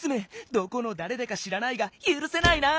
どこのだれだか知らないがゆるせないな！